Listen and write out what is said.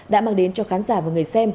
đã mang đến cho khán giả và người xem